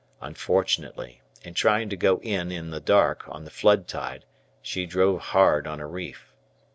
Unfortunately, in trying to go in in the dark on the flood tide she drove hard on a reef.